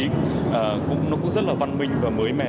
nó cũng rất là văn minh và mới mẻ